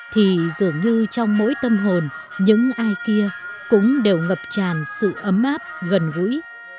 thì dường như trong mỗi tâm hồn những ai kia cũng đều ngập tràn sự ấm áp gần gũi